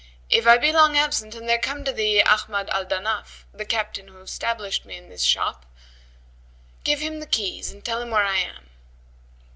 If I be long absent and there come to thee Ahmad al Danaf, the Captain who stablished me in this shop, give him the keys and tell him where I am."